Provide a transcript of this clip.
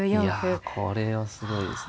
いやこれはすごいですね。